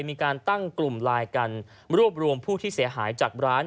มีการตั้งกลุ่มไลน์กันรวบรวมผู้ที่เสียหายจากร้าน